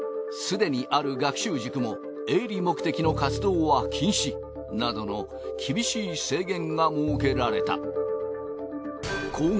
すでにある学習塾も営利目的の活動は禁止などの厳しい制限が設けられた。